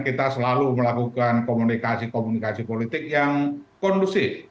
kita selalu melakukan komunikasi komunikasi politik yang kondusif